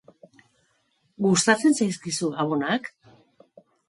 Gustatzen zaizkizu Gabonak?